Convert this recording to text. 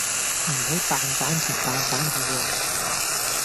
唔好蛋散前蛋散後喎